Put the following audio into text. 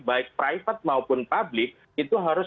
baik private maupun publik itu harus